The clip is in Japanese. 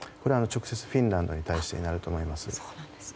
直接フィンランドに対してになると思います。